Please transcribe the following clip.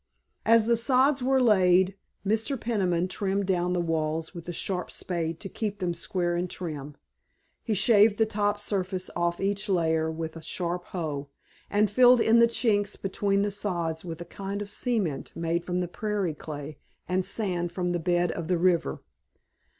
As the sods were laid Mr. Peniman trimmed down the walls with a sharp spade, to keep them square and trim. He shaved the top surface off each layer with a sharp hoe, and filled in the chinks between the sods with a kind of a cement made from the prairie clay and sand from the bed of the river.